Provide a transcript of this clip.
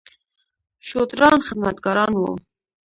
شودران خدمتګاران وو.